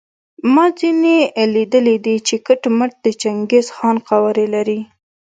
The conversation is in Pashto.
ما ځینې لیدلي دي چې کټ مټ د چنګیز خان قوارې لري.